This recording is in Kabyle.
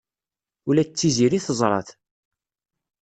Ula d Tiziri teẓra-t.